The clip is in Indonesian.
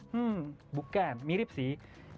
hmm bukan mirip sih